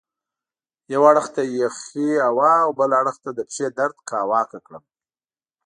یوه اړخ ته یخې هوا او بل اړخ ته د پښې درد کاواکه کړم.